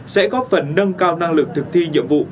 sẽ góp phần nâng cao năng lực thực thi nhiệm vụ